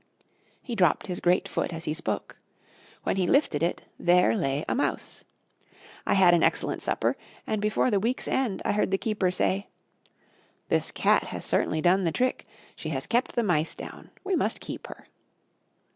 He dropped his great foot as he spoke. When he lifted it, there lay a mouse. I had an excellent supper; and before the week's end I heard the keeper say, "This cat has certainly done the trick. She has kept the mice down. We must keep her."